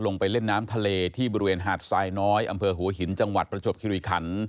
ลงไปเล่นน้ำทะเลที่บริเวณหาดทรายน้อยอำเภอหัวหินจังหวัดประจวบคิริขัน